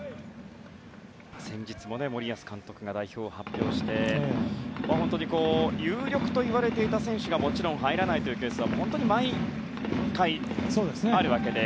先日も森保監督が代表を発表して有力といわれていた選手が入らないというケースが本当に毎回あるわけで。